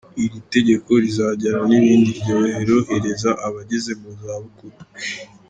"Iri tegeko rizajyana ni rindi ryorohereza abageze mu zabukuru.